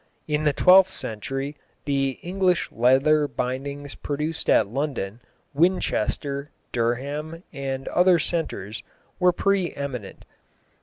In the twelfth century the English leather bindings produced at London, Winchester, Durham and other centres, were pre eminent.